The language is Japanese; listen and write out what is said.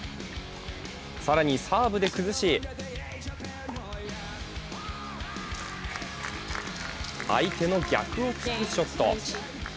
更にサーブで崩し相手の逆を突くショット！